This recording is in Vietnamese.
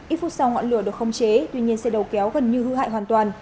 ít phút sau ngọn lửa được không chế tuy nhiên xe đầu kéo gần như hư hại hoàn toàn